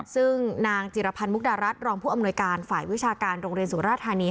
ซึ่งนางจิรพันธ์มุกดารัฐรองผู้อำนวยการฝ่ายวิชาการโรงเรียนสุราธานี